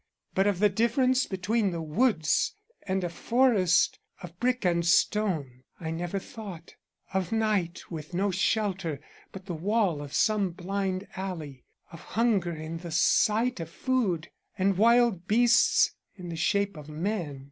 But of the difference between the woods and a forest of brick and stone I never thought; of night with no shelter but the wall of some blind alley; of hunger in the sight of food, and wild beasts in the shape of men.